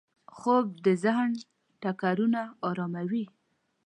خوب د ذهن ټکرونه اراموي